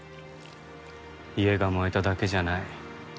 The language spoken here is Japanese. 家が燃えただけじゃない。